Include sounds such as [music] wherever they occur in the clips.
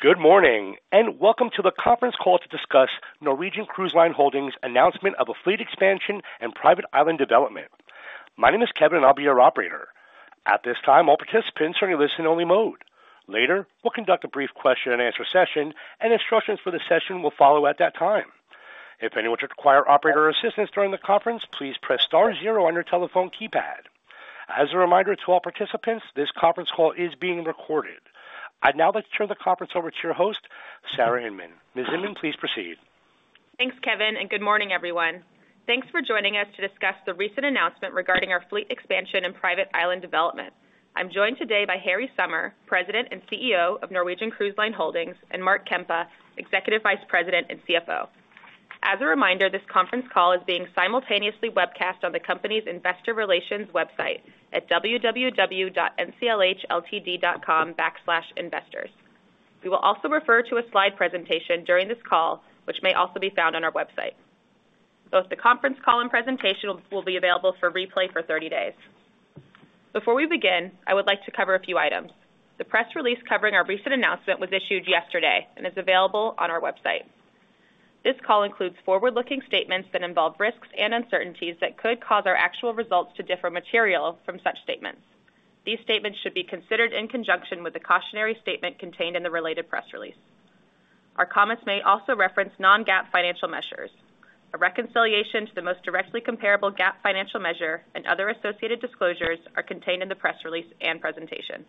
Good morning and welcome to the conference call to discuss Norwegian Cruise Line Holdings' announcement of a fleet expansion and private island development. My name is Kevin, and I'll be your operator. At this time, all participants are in a listen-only mode. Later, we'll conduct a brief question-and-answer session, and instructions for the session will follow at that time. If anyone should require operator assistance during the conference, please press star zero on your telephone keypad. As a reminder to all participants, this conference call is being recorded. I'd now like to turn the conference over to your host, Sarah Inmon. Ms. Inmon, please proceed. Thanks, Kevin, and good morning, everyone. Thanks for joining us to discuss the recent announcement regarding our fleet expansion and private island development. I'm joined today by Harry Sommer, President and CEO of Norwegian Cruise Line Holdings, and Mark Kempa, Executive Vice President and CFO. As a reminder, this conference call is being simultaneously webcast on the company's investor relations website at www.nclhltd.com/investors. We will also refer to a slide presentation during this call, which may also be found on our website. Both the conference call and presentation will be available for replay for 30 days. Before we begin, I would like to cover a few items. The press release covering our recent announcement was issued yesterday and is available on our website. This call includes forward-looking statements that involve risks and uncertainties that could cause our actual results to differ materially from such statements. These statements should be considered in conjunction with the cautionary statement contained in the related press release. Our comments may also reference non-GAAP financial measures. A reconciliation to the most directly comparable GAAP financial measure and other associated disclosures are contained in the press release and presentation.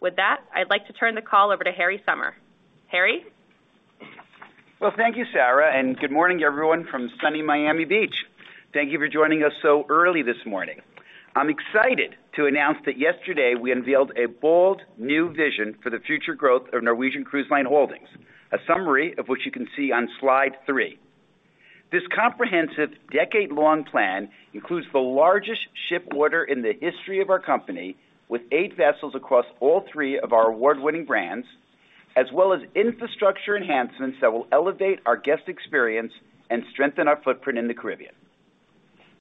With that, I'd like to turn the call over to Harry Sommer. Harry? Well, thank you, Sarah, and good morning, everyone, from sunny Miami Beach. Thank you for joining us so early this morning. I'm excited to announce that yesterday we unveiled a bold new vision for the future growth of Norwegian Cruise Line Holdings, a summary of which you can see on slide three. This comprehensive, decade-long plan includes the largest ship order in the history of our company, with eight vessels across all three of our award-winning brands, as well as infrastructure enhancements that will elevate our guest experience and strengthen our footprint in the Caribbean.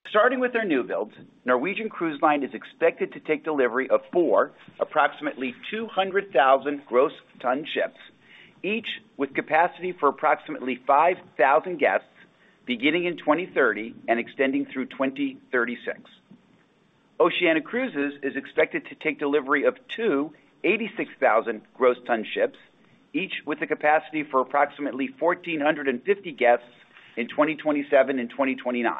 Starting with our new builds, Norwegian Cruise Line is expected to take delivery of four approximately 200,000 gross-ton ships, each with capacity for approximately 5,000 guests beginning in 2030 and extending through 2036. Oceania Cruises is expected to take delivery of two 86,000 gross ton ships, each with a capacity for approximately 1,450 guests in 2027 and 2029.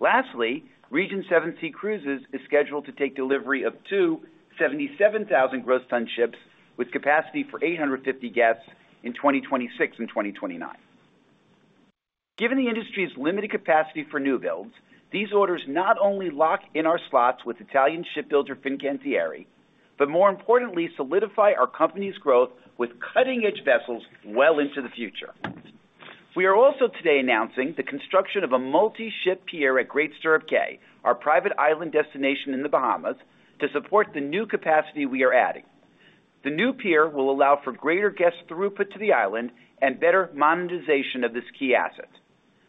Lastly, Regent Seven Seas Cruises is scheduled to take delivery of two 77,000 gross ton ships with capacity for 850 guests in 2026 and 2029. Given the industry's limited capacity for new builds, these orders not only lock in our slots with Italian shipbuilder Fincantieri, but more importantly, solidify our company's growth with cutting-edge vessels well into the future. We are also today announcing the construction of a multi-ship pier at Great Stirrup Cay, our private island destination in the Bahamas, to support the new capacity we are adding. The new pier will allow for greater guest throughput to the island and better monetization of this key asset.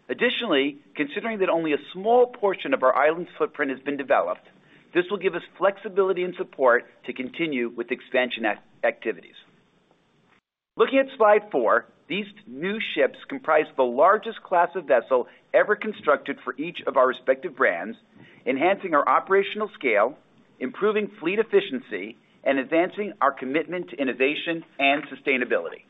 Additionally, considering that only a small portion of our island's footprint has been developed, this will give us flexibility and support to continue with expansion activities. Looking at slide four, these new ships comprise the largest class of vessel ever constructed for each of our respective brands, enhancing our operational scale, improving fleet efficiency, and advancing our commitment to innovation and sustainability.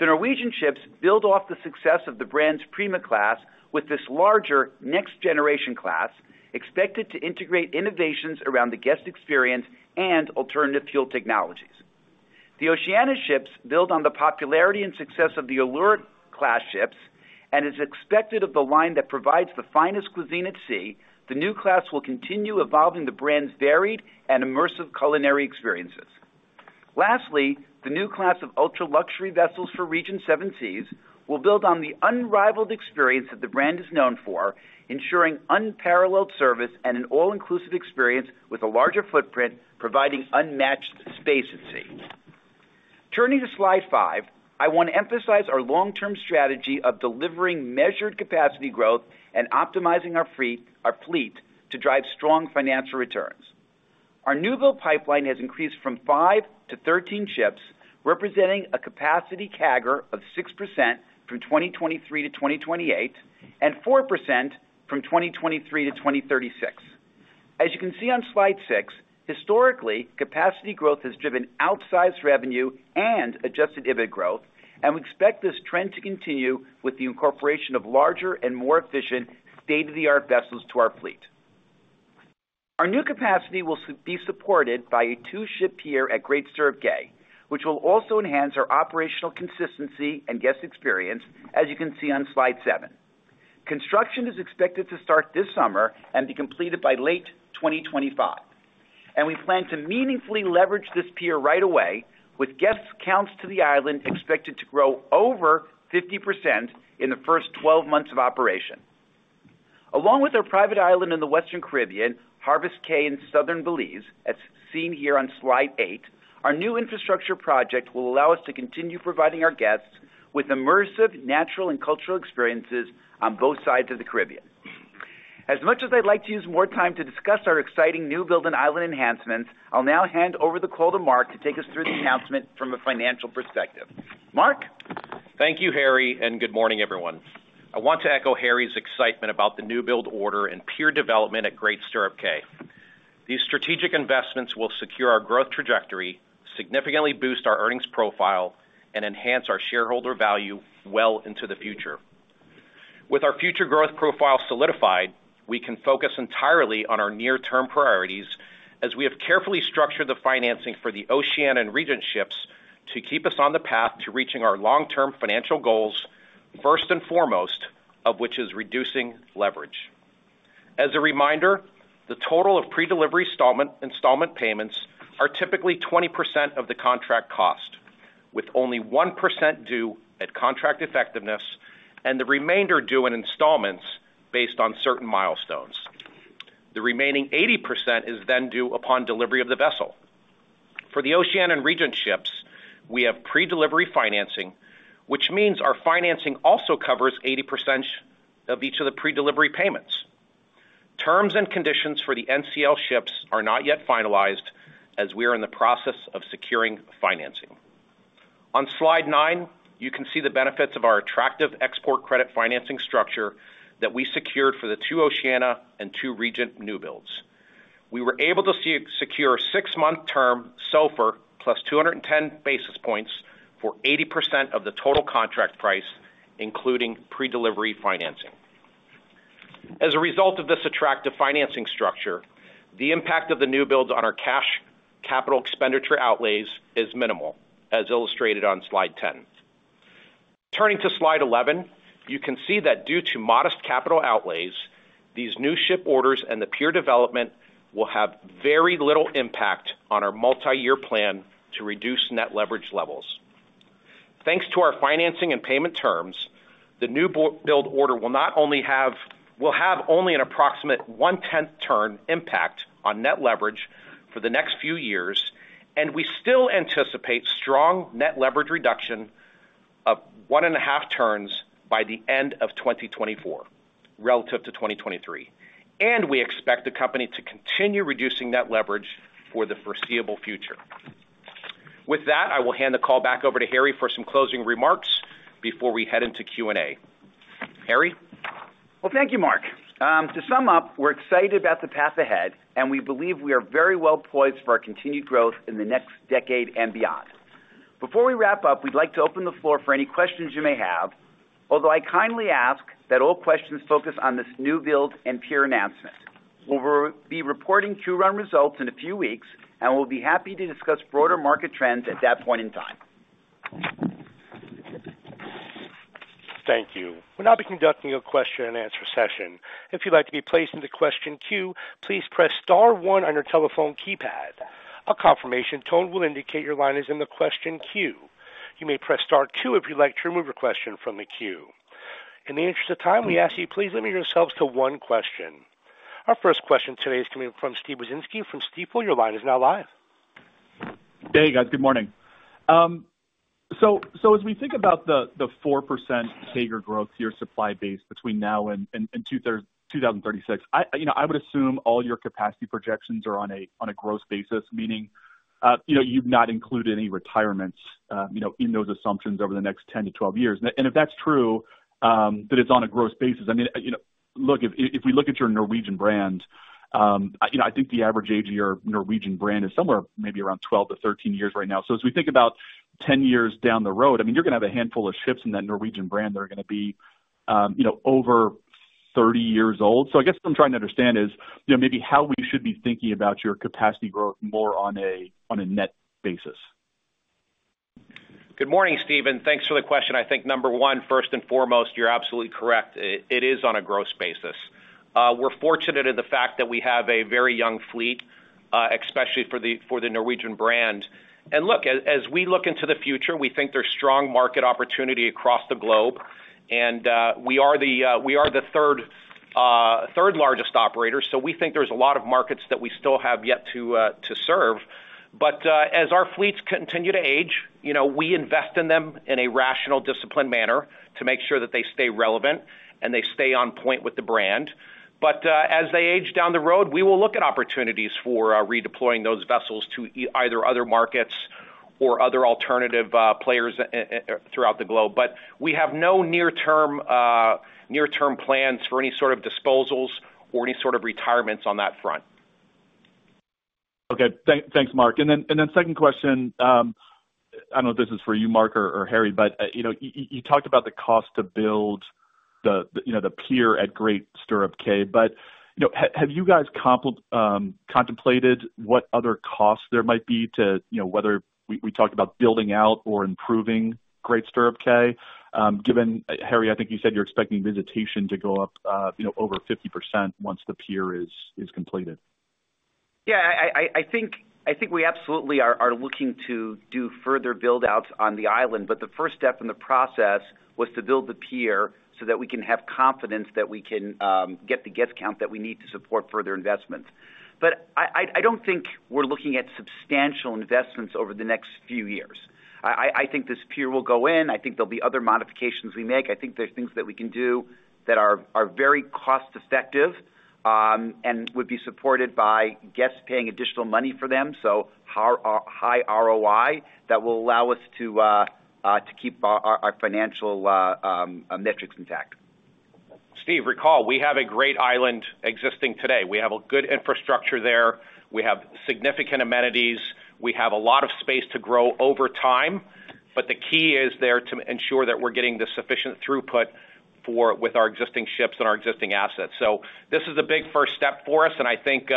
The Norwegian ships build off the success of the brand's Prima Class with this larger, next-generation class expected to integrate innovations around the guest experience and alternative fuel technologies. The Oceania ships build on the popularity and success of the Allura Class ships, and as expected of the line that provides the finest cuisine at sea, the new class will continue evolving the brand's varied and immersive culinary experiences. Lastly, the new class of ultra-luxury vessels for Regent Seven Seas will build on the unrivaled experience that the brand is known for, ensuring unparalleled service and an all-inclusive experience with a larger footprint providing unmatched space at sea. Turning to slide five, I want to emphasize our long-term strategy of delivering measured capacity growth and optimizing our fleet to drive strong financial returns. Our new build pipeline has increased from five to 13 ships, representing a capacity CAGR of 6% from 2023-2028 and 4% from 2023-2036. As you can see on slide six, historically, capacity growth has driven outsized revenue and Adjusted EBITDA growth, and we expect this trend to continue with the incorporation of larger and more efficient, state-of-the-art vessels to our fleet. Our new capacity will be supported by a two-ship pier at Great Stirrup Cay, which will also enhance our operational consistency and guest experience, as you can see on slide seven. Construction is expected to start this summer and be completed by late 2025, and we plan to meaningfully leverage this pier right away, with guest counts to the island expected to grow over 50% in the first 12 months of operation. Along with our private island in the Western Caribbean, Harvest Caye, and southern Belize, as seen here on slide 8, our new infrastructure project will allow us to continue providing our guests with immersive, natural, and cultural experiences on both sides of the Caribbean. As much as I'd like to use more time to discuss our exciting new build and island enhancements, I'll now hand over the call to Mark to take us through the announcement from a financial perspective. Mark? Thank you, Harry, and good morning, everyone. I want to echo Harry's excitement about the new build order and pier development at Great Stirrup Cay. These strategic investments will secure our growth trajectory, significantly boost our earnings profile, and enhance our shareholder value well into the future. With our future growth profile solidified, we can focus entirely on our near-term priorities as we have carefully structured the financing for the Oceania and Regent ships to keep us on the path to reaching our long-term financial goals, first and foremost of which is reducing leverage. As a reminder, the total of pre-delivery installment payments are typically 20% of the contract cost, with only 1% due at contract effectiveness and the remainder due in installments based on certain milestones. The remaining 80% is then due upon delivery of the vessel. For the Oceania and Regent ships, we have pre-delivery financing, which means our financing also covers 80% of each of the pre-delivery payments. Terms and conditions for the NCL ships are not yet finalized as we are in the process of securing financing. On slide nine, you can see the benefits of our attractive export credit financing structure that we secured for the two Oceania and two Regent new builds. We were able to secure a six-month term SOFR plus 210 basis points for 80% of the total contract price, including pre-delivery financing. As a result of this attractive financing structure, the impact of the new builds on our cash capital expenditure outlays is minimal, as illustrated on slide 10. Turning to slide 11, you can see that due to modest capital outlays, these new ship orders and the pier development will have very little impact on our multi-year plan to reduce net leverage levels. Thanks to our financing and payment terms, the new build order will have only an approximate 1/10-turn impact on net leverage for the next few years, and we still anticipate strong net leverage reduction of 1.5 turns by the end of 2024 relative to 2023. We expect the company to continue reducing net leverage for the foreseeable future. With that, I will hand the call back over to Harry for some closing remarks before we head into Q&A. Harry? Well, thank you, Mark. To sum up, we're excited about the path ahead, and we believe we are very well poised for our continued growth in the next decade and beyond. Before we wrap up, we'd like to open the floor for any questions you may have, although I kindly ask that all questions focus on this new build and pier announcement. We'll be reporting Q1 results in a few weeks, and we'll be happy to discuss broader market trends at that point in time. Thank you. We'll now be conducting a question-and-answer session. If you'd like to be placed into question queue, please press star one on your telephone keypad. A confirmation tone will indicate your line is in the question queue. You may press star two if you'd like to remove your question from the queue. In the interest of time, we ask that you please limit yourselves to one question. Our first question today is coming from Steve Wieczynski from Stifel. Your line is now live. Hey, guys. Good morning. So as we think about the 4% CAGR growth year supply base between now and 2036, I would assume all your capacity projections are on a gross basis, meaning you've not included any retirements in those assumptions over the next 10-12 years. And if that's true, that it's on a gross basis. I mean, look, if we look at your Norwegian brand, I think the average age of your Norwegian brand is somewhere maybe around 12-13 years right now. So as we think about 10 years down the road, I mean, you're going to have a handful of ships in that Norwegian brand that are going to be over 30 years old. So I guess what I'm trying to understand is maybe how we should be thinking about your capacity growth more on a net basis. Good morning, Steven. Thanks for the question. I think number one, first and foremost, you're absolutely correct. It is on a gross basis. We're fortunate in the fact that we have a very young fleet, especially for the Norwegian brand. And look, as we look into the future, we think there's strong market opportunity across the globe, and we are the third-largest operator. So we think there's a lot of markets that we still have yet to serve. But as our fleets continue to age, we invest in them in a rational, disciplined manner to make sure that they stay relevant and they stay on point with the brand. But as they age down the road, we will look at opportunities for redeploying those vessels to either other markets or other alternative players throughout the globe. But we have no near-term plans for any sort of disposals or any sort of retirements on that front. Okay. Thanks, Mark. And then second question, I don't know if this is for you, Mark or Harry, but you talked about the cost to build the pier at Great Stirrup Cay. But have you guys contemplated what other costs there might be to whether we talked about building out or improving Great Stirrup Cay? Harry, I think you said you're expecting visitation to go up over 50% once the pier is completed. Yeah, I think we absolutely are looking to do further buildouts on the island. But the first step in the process was to build the pier so that we can have confidence that we can get the guest count that we need to support further investments. But I don't think we're looking at substantial investments over the next few years. I think this pier will go in. I think there'll be other modifications we make. I think there's things that we can do that are very cost-effective and would be supported by guests paying additional money for them, so high ROI that will allow us to keep our financial metrics intact. Steve, recall, we have a great island existing today. We have a good infrastructure there. We have significant amenities. We have a lot of space to grow over time. But the key is there to ensure that we're getting the sufficient throughput with our existing ships and our existing assets. So this is a big first step for us. I think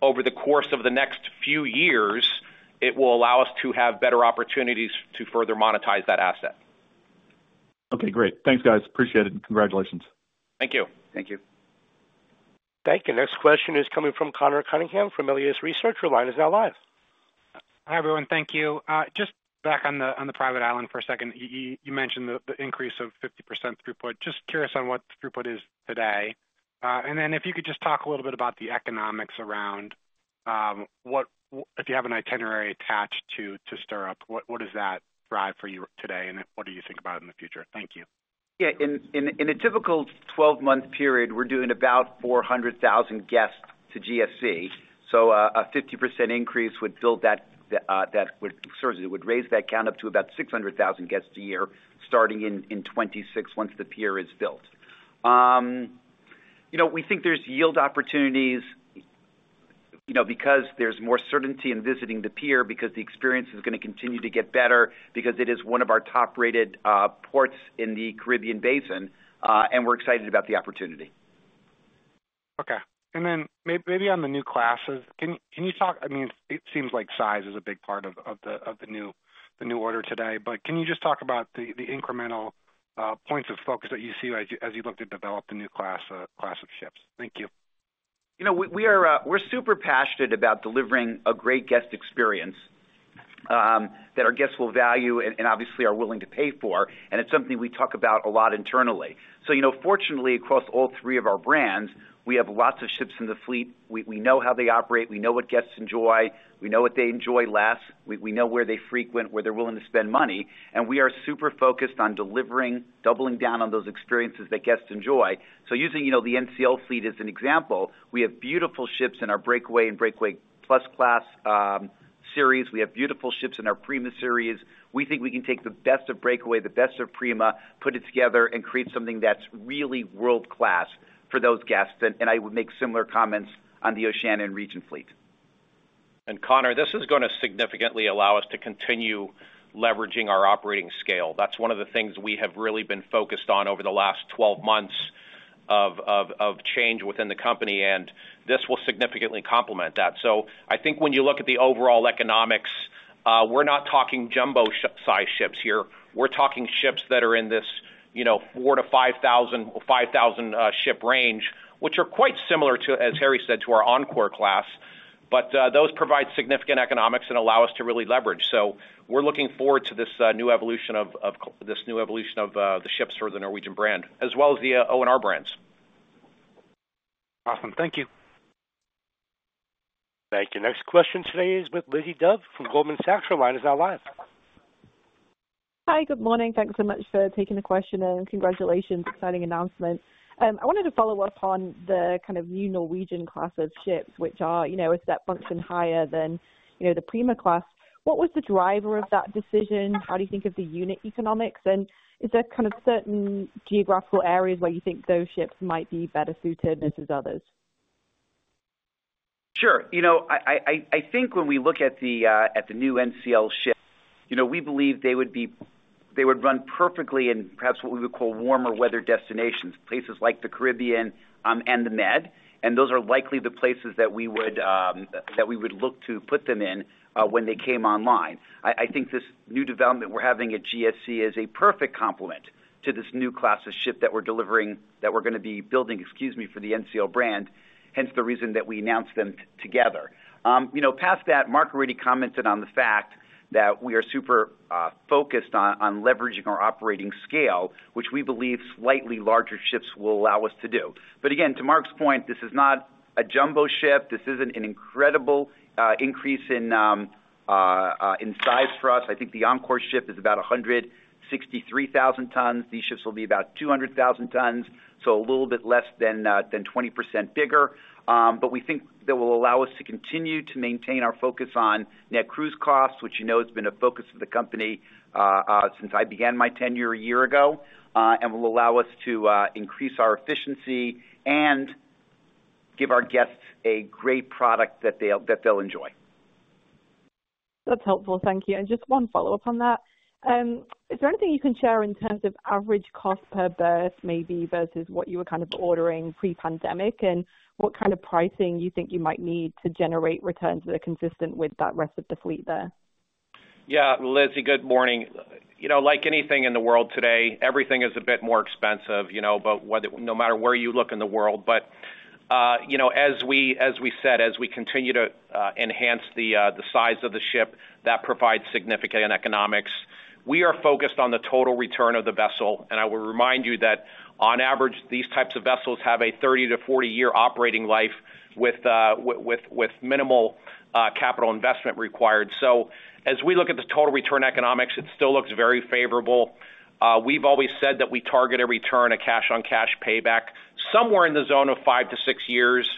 over the course of the next few years, it will allow us to have better opportunities to further monetize that asset. Okay. Great. Thanks, guys. Appreciate it. Congratulations. Thank you. Thank you. Thank you. Next question is coming from Conor Cunningham from Melius Research. Your line is now live. Hi, everyone. Thank you. Just back on the private island for a second. You mentioned the increase of 50% throughput. Just curious on what throughput is today. And then if you could just talk a little bit about the economics around if you have an itinerary attached to Stirrup, what does that drive for you today, and what do you think about it in the future? Thank you. Yeah. In a typical 12-month period, we're doing about 400,000 guests to GSC. So a 50% increase would raise that count up to about 600,000 guests a year starting in 2026 once the pier is built. We think there's yield opportunities because there's more certainty in visiting the pier, because the experience is going to continue to get better, because it is one of our top-rated ports in the Caribbean Basin. And we're excited about the opportunity. Okay. And then maybe on the new classes, can you talk, I mean, it seems like size is a big part of the new order today. But can you just talk about the incremental points of focus that you see as you look to develop the new class of ships? Thank you. We're super passionate about delivering a great guest experience that our guests will value and obviously are willing to pay for. It's something we talk about a lot internally. Fortunately, across all three of our brands, we have lots of ships in the fleet. We know how they operate. We know what guests enjoy. We know what they enjoy less. We know where they frequent, where they're willing to spend money. We are super focused on delivering, doubling down on those experiences that guests enjoy. Using the NCL fleet as an example, we have beautiful ships in our Breakaway Class and Breakaway Plus Class. We have beautiful ships in our Prima Class. We think we can take the best of Breakaway, the best of Prima, put it together, and create something that's really world-class for those guests. And I would make similar comments on the Oceania and Regent fleet. Conor, this is going to significantly allow us to continue leveraging our operating scale. That's one of the things we have really been focused on over the last 12 months of change within the company. This will significantly complement that. I think when you look at the overall economics, we're not talking jumbo-sized ships here. We're talking ships that are in this 4-5 thousand ship range, which are quite similar, as Harry said, to our Encore class. Those provide significant economics and allow us to really leverage. We're looking forward to this new evolution of the ships for the Norwegian brand, as well as the O&R brands. Awesome. Thank you. Thank you. Next question today is with Lizzie Dove from Goldman Sachs. Now live. Hi. Good morning. Thanks so much for taking the question. And congratulations. Exciting announcement. I wanted to follow up on the kind of new Norwegian class of ships, which are a step function higher than the Prima Class. What was the driver of that decision? How do you think of the unit economics? And is there kind of certain geographical areas where you think those ships might be better suited versus others? Sure. I think when we look at the new NCL ship, we believe they would run perfectly in perhaps what we would call warmer weather destinations, places like the Caribbean and the Med. And those are likely the places that we would look to put them in when they came online. I think this new development we're having at GSC is a perfect complement to this new class of ship that we're going to be building, excuse me, for the NCL brand, hence the reason that we announced them together. Past that, Mark already commented on the fact that we are super focused on leveraging our operating scale, which we believe slightly larger ships will allow us to do. But again, to Mark's point, this is not a jumbo ship. This isn't an incredible increase in size for us. I think the Encore ship is about 163,000 tons. These ships will be about 200,000 tons, so a little bit less than 20% bigger. But we think that will allow us to continue to maintain our focus on net cruise costs, which you know has been a focus of the company since I began my tenure a year ago, and will allow us to increase our efficiency and give our guests a great product that they'll enjoy. That's helpful. Thank you. Just one follow-up on that. Is there anything you can share in terms of average cost per berth, maybe, versus what you were kind of ordering pre-pandemic and what kind of pricing you think you might need to generate returns that are consistent with that rest of the fleet there? Yeah. Well, Lizzie, good morning. Like anything in the world today, everything is a bit more expensive, no matter where you look in the world. But as we said, as we continue to enhance the size of the ship, that provides significant economics. We are focused on the total return of the vessel. And I will remind you that on average, these types of vessels have a 30-40-year operating life with minimal capital investment required. So as we look at the total return economics, it still looks very favorable. We've always said that we target a return of cash-on-cash payback somewhere in the zone of 5-6 years,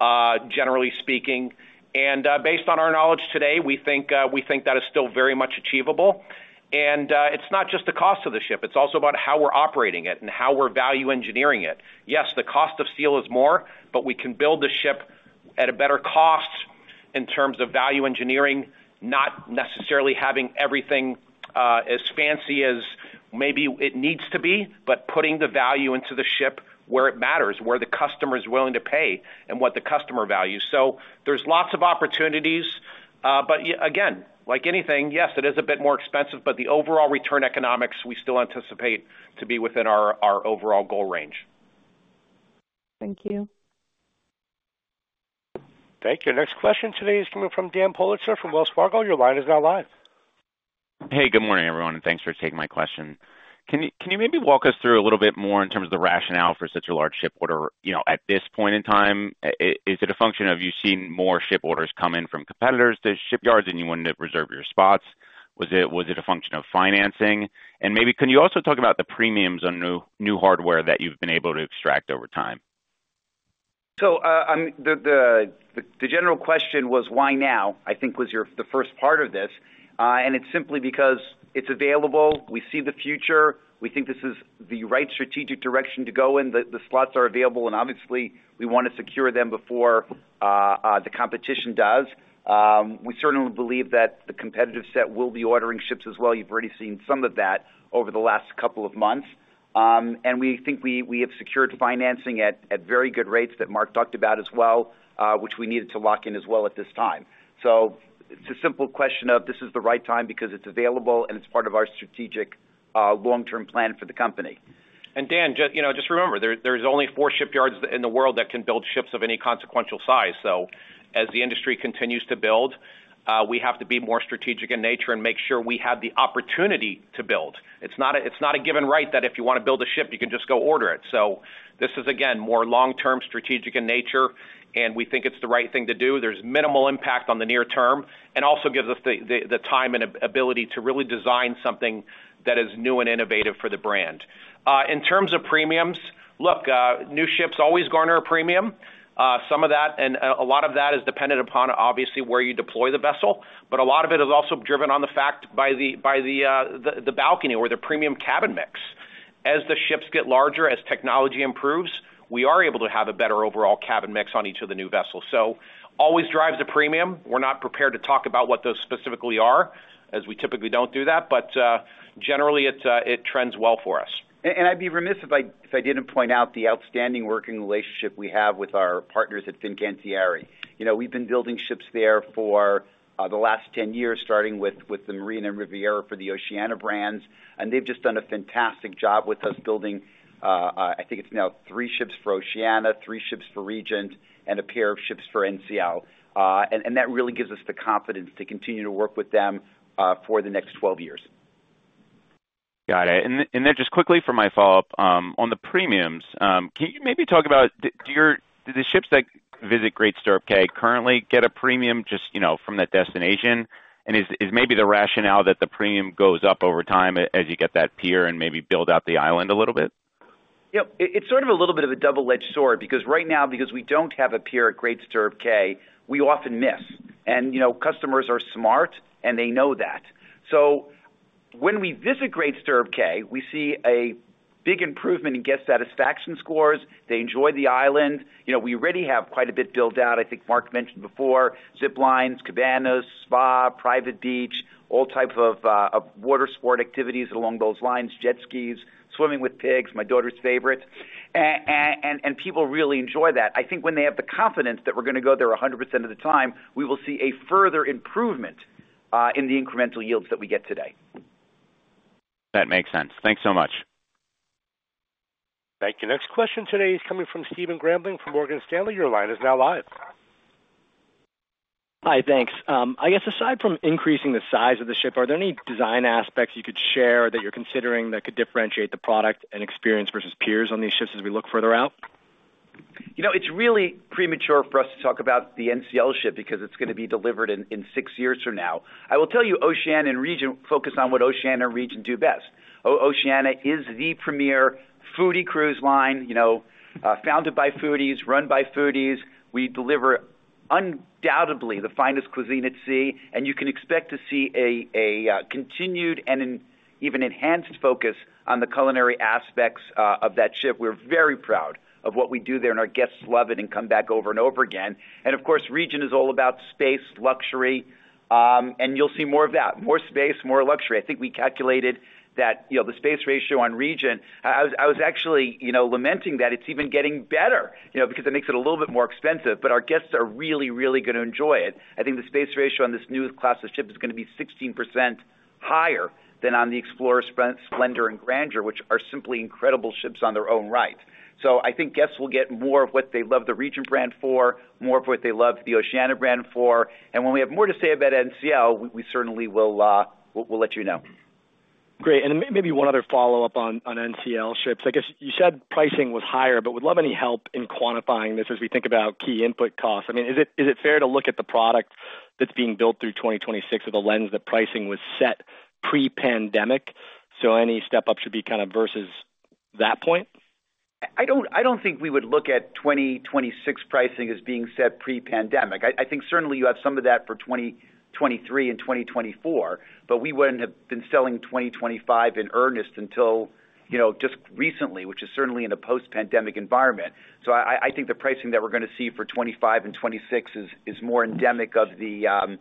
generally speaking. And based on our knowledge today, we think that is still very much achievable. And it's not just the cost of the ship. It's also about how we're operating it and how we're value engineering it. Yes, the cost of steel is more, but we can build the ship at a better cost in terms of value engineering, not necessarily having everything as fancy as maybe it needs to be, but putting the value into the ship where it matters, where the customer is willing to pay and what the customer values. So there's lots of opportunities. But again, like anything, yes, it is a bit more expensive, but the overall return economics, we still anticipate to be within our overall goal range. Thank you. Thank you. Next question today is coming from Dan Politzer from Wells Fargo. Your line is now live. Hey. Good morning, everyone. Thanks for taking my question. Can you maybe walk us through a little bit more in terms of the rationale for such a large ship order at this point in time? Is it a function of you seeing more ship orders come in from competitors to shipyards and you wanted to reserve your spots? Was it a function of financing? And maybe can you also talk about the premiums on new hardware that you've been able to extract over time? So the general question was, "Why now?" I think was the first part of this. It's simply because it's available. We see the future. We think this is the right strategic direction to go in. The slots are available. Obviously, we want to secure them before the competition does. We certainly believe that the competitive set will be ordering ships as well. You've already seen some of that over the last couple of months. We think we have secured financing at very good rates that Mark talked about as well, which we needed to lock in as well at this time. So it's a simple question of, "This is the right time because it's available, and it's part of our strategic long-term plan for the company. Dan, just remember, there's only four shipyards in the world that can build ships of any consequential size. So as the industry continues to build, we have to be more strategic in nature and make sure we have the opportunity to build. It's not a given right that if you want to build a ship, you can just go order it. So this is, again, more long-term strategic in nature. And we think it's the right thing to do. There's minimal impact on the near term and also gives us the time and ability to really design something that is new and innovative for the brand. In terms of premiums, look, new ships always garner a premium. Some of that and a lot of that is dependent upon, obviously, where you deploy the vessel. But a lot of it is also driven by the fact by the balcony or the premium cabin mix. As the ships get larger, as technology improves, we are able to have a better overall cabin mix on each of the new vessels. So always drives a premium. We're not prepared to talk about what those specifically are, as we typically don't do that. But generally, it trends well for us. I'd be remiss if I didn't point out the outstanding working relationship we have with our partners at Fincantieri. We've been building ships there for the last 10 years, starting with the Marina and Riviera for the Oceania brands. They've just done a fantastic job with us building, I think it's now, three ships for Oceania, three ships for Regent, and a pair of ships for NCL. That really gives us the confidence to continue to work with them for the next 12 years. Got it. And then just quickly for my follow-up on the premiums, can you maybe talk about do the ships that visit Great Stirrup Cay currently get a premium just from that destination? And is maybe the rationale that the premium goes up over time as you get that pier and maybe build out the island a little bit? Yep. It's sort of a little bit of a double-edged sword because right now, because we don't have a pier at Great Stirrup Cay, we often miss. And customers are smart, and they know that. So when we visit Great Stirrup Cay, we see a big improvement in guest satisfaction scores. They enjoy the island. We already have quite a bit built out, I think Mark mentioned before, zip lines, cabanas, spa, private beach, all type of water sport activities along those lines, jet skis, swimming with pigs, my daughter's favorite. And people really enjoy that. I think when they have the confidence that we're going to go there 100% of the time, we will see a further improvement in the incremental yields that we get today. That makes sense. Thanks so much. Thank you. Next question today is coming from Stephen Grambling from Morgan Stanley. Your line is now live. Hi. Thanks. I guess aside from increasing the size of the ship, are there any design aspects you could share that you're considering that could differentiate the product and experience versus peers on these ships as we look further out? It's really premature for us to talk about the NCL ship because it's going to be delivered in six years from now. I will tell you, Oceania and Regent focus on what Oceania and Regent do best. Oceania is the premier foodie cruise line, founded by foodies, run by foodies. We deliver undoubtedly the finest cuisine at sea. You can expect to see a continued and even enhanced focus on the culinary aspects of that ship. We're very proud of what we do there. Our guests love it and come back over and over again. Of course, Regent is all about space, luxury. You'll see more of that, more space, more luxury. I think we calculated that the space ratio on Regent. I was actually lamenting that it's even getting better because it makes it a little bit more expensive. But our guests are really, really going to enjoy it. I think the space ratio on this new class of ship is going to be 16% higher than on the Explorer, Splendor, and Grandeur, which are simply incredible ships in their own right. So I think guests will get more of what they love the Regent brand for, more of what they love the Oceania brand for. And when we have more to say about NCL, we certainly will let you know. Great. And maybe one other follow-up on NCL ships. I guess you said pricing was higher, but would love any help in quantifying this as we think about key input costs. I mean, is it fair to look at the product that's being built through 2026 with a lens that pricing was set pre-pandemic? So any step up should be kind of versus that point? I don't think we would look at 2026 pricing as being set pre-pandemic. I think certainly you have some of that for 2023 and 2024. But we wouldn't have been selling 2025 in earnest until just recently, which is certainly in a post-pandemic environment. So I think the pricing that we're going to see for 2025 and 2026 is more endemic of the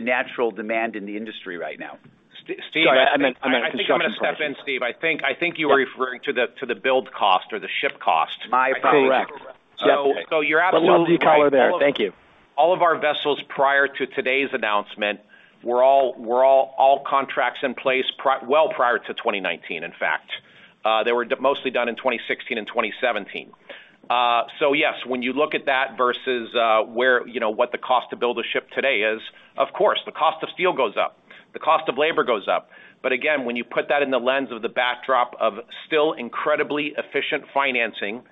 natural demand in the industry right now. Steve, [crosstalk] I'm going to step in, Steve. I think you were referring to the build cost or the ship cost. My point. [crosstalk] Correct. So you're absolutely right. What will you color there? Thank you. All of our vessels prior to today's announcement were all contracts in place well prior to 2019, in fact. They were mostly done in 2016 and 2017. So yes, when you look at that versus what the cost to build a ship today is, of course, the cost of steel goes up. The cost of labor goes up. But again, when you put that in the lens of the backdrop of still incredibly efficient financing,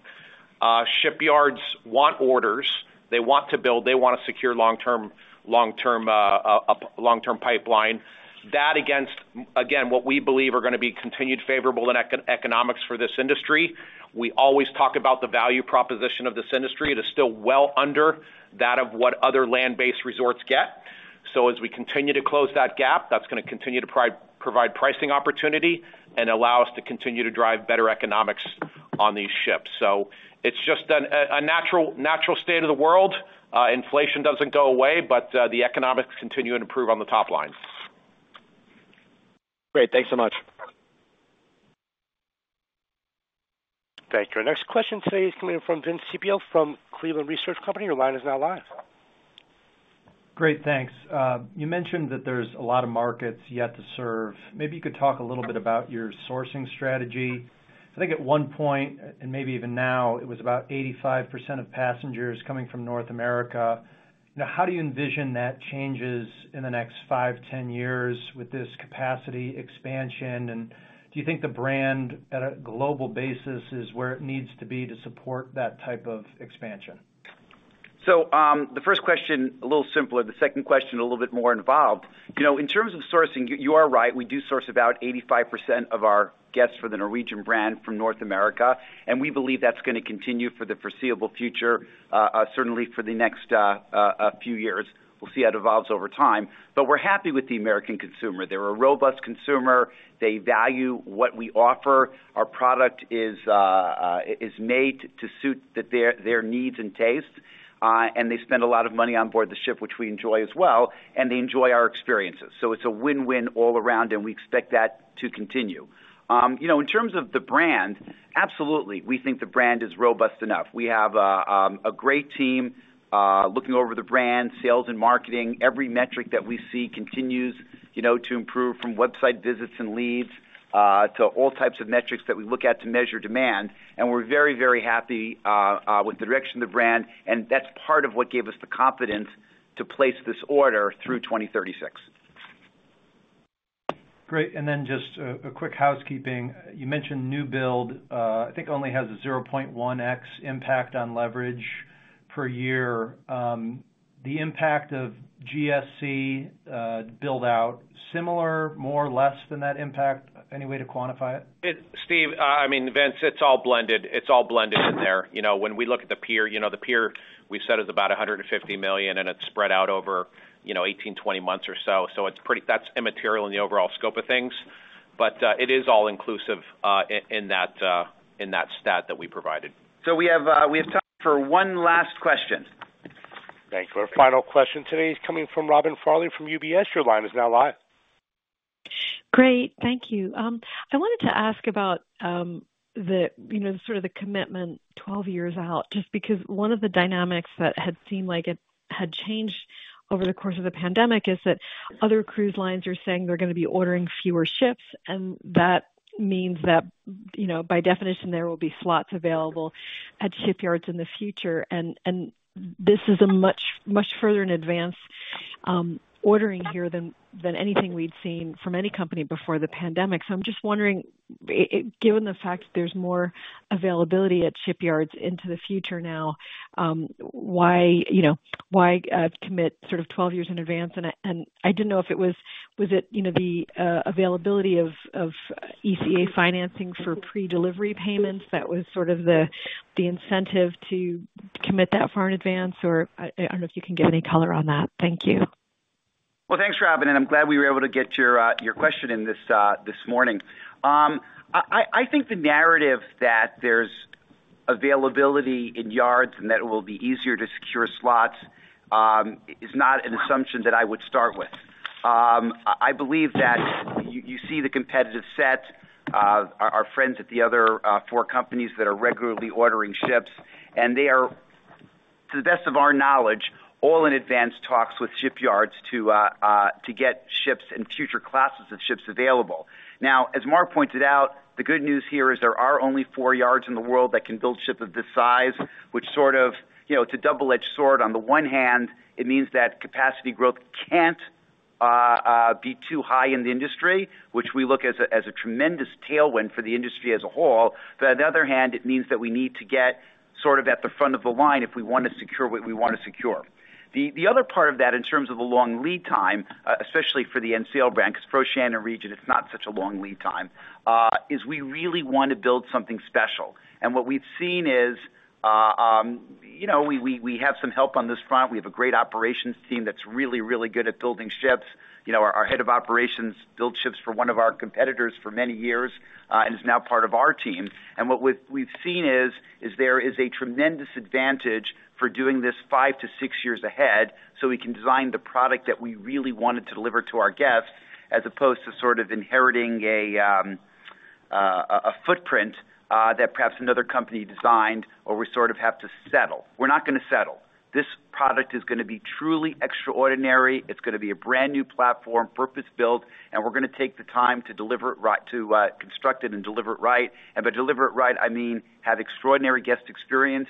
shipyards want orders. They want to build. They want to secure long-term pipeline. That against, again, what we believe are going to be continued favorable economics for this industry. We always talk about the value proposition of this industry. It is still well under that of what other land-based resorts get. As we continue to close that gap, that's going to continue to provide pricing opportunity and allow us to continue to drive better economics on these ships. It's just a natural state of the world. Inflation doesn't go away, but the economics continue to improve on the top line. Great. Thanks so much. Thank you. Our next question today is coming from Vince Ciepiel from Cleveland Research Company. Your line is now live. Great. Thanks. You mentioned that there's a lot of markets yet to serve. Maybe you could talk a little bit about your sourcing strategy. I think at one point, and maybe even now, it was about 85% of passengers coming from North America. How do you envision that changes in the next five, 10 years with this capacity expansion? And do you think the brand at a global basis is where it needs to be to support that type of expansion? So the first question, a little simpler. The second question, a little bit more involved. In terms of sourcing, you are right. We do source about 85% of our guests for the Norwegian brand from North America. And we believe that's going to continue for the foreseeable future, certainly for the next few years. We'll see how it evolves over time. But we're happy with the American consumer. They're a robust consumer. They value what we offer. Our product is made to suit their needs and tastes. And they spend a lot of money on board the ship, which we enjoy as well. And they enjoy our experiences. So it's a win-win all around. And we expect that to continue. In terms of the brand, absolutely. We think the brand is robust enough. We have a great team looking over the brand, sales and marketing. Every metric that we see continues to improve from website visits and leads to all types of metrics that we look at to measure demand. And we're very, very happy with the direction of the brand. And that's part of what gave us the confidence to place this order through 2036. Great. And then just a quick housekeeping. You mentioned new build. I think only has a 0.1x impact on leverage per year. The impact of GSC build-out, similar, more, less than that impact? Any way to quantify it? Steve, I mean, Vince, it's all blended. It's all blended in there. When we look at the pier, the pier we've set is about $150 million. And it's spread out over 18-20 months or so. So that's immaterial in the overall scope of things. But it is all-inclusive in that stat that we provided. We have time for one last question. Thank you. Our final question today is coming from Robin Farley from UBS. Your line is now live. Great. Thank you. I wanted to ask about sort of the commitment 12 years out. Just because one of the dynamics that had seemed like it had changed over the course of the pandemic is that other cruise lines are saying they're going to be ordering fewer ships. And that means that by definition, there will be slots available at shipyards in the future. And this is a much, much further in advance ordering here than anything we'd seen from any company before the pandemic. So I'm just wondering, given the fact that there's more availability at shipyards into the future now, why commit sort of 12 years in advance? And I didn't know if it was, was it the availability of ECA financing for pre-delivery payments that was sort of the incentive to commit that far in advance? Or I don't know if you can give any color on that. Thank you. Well, thanks, Robin. And I'm glad we were able to get your question in this morning. I think the narrative that there's availability in yards and that it will be easier to secure slots is not an assumption that I would start with. I believe that you see the competitive set, our friends at the other four companies that are regularly ordering ships. And they are, to the best of our knowledge, all in advance talks with shipyards to get ships and future classes of ships available. Now, as Mark pointed out, the good news here is there are only four yards in the world that can build ships of this size, which sort of it's a double-edged sword. On the one hand, it means that capacity growth can't be too high in the industry, which we look as a tremendous tailwind for the industry as a whole. But on the other hand, it means that we need to get sort of at the front of the line if we want to secure what we want to secure. The other part of that in terms of the long lead time, especially for the NCL brand because for Oceania and Regent, it's not such a long lead time, is we really want to build something special. And what we've seen is we have some help on this front. We have a great operations team that's really, really good at building ships. Our head of operations built ships for one of our competitors for many years and is now part of our team. What we've seen is there is a tremendous advantage for doing this five-six years ahead so we can design the product that we really wanted to deliver to our guests as opposed to sort of inheriting a footprint that perhaps another company designed or we sort of have to settle. We're not going to settle. This product is going to be truly extraordinary. It's going to be a brand new platform, purpose-built. We're going to take the time to construct it and deliver it right. And by deliver it right, I mean have extraordinary guest experience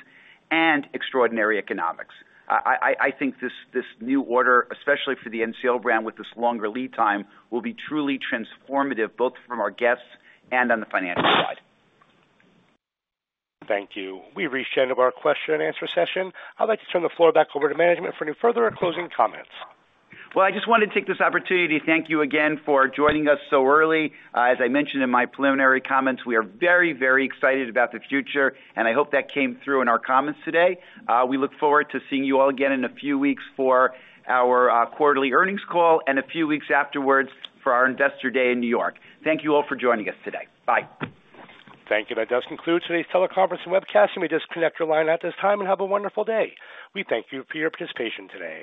and extraordinary economics. I think this new order, especially for the NCL brand with this longer lead time, will be truly transformative both from our guests and on the financial side. Thank you. We've reached the end of our question and answer session. I'd like to turn the floor back over to management for any further or closing comments. Well, I just wanted to take this opportunity to thank you again for joining us so early. As I mentioned in my preliminary comments, we are very, very excited about the future. I hope that came through in our comments today. We look forward to seeing you all again in a few weeks for our quarterly earnings call and a few weeks afterwards for our Investor Day in New York. Thank you all for joining us today. Bye. Thank you. That does conclude today's teleconference and webcast. We just disconnect your line at this time and have a wonderful day. We thank you for your participation today.